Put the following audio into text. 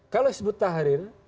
kalau disebut tahrir